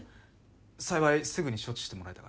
幸いすぐに処置してもらえたから。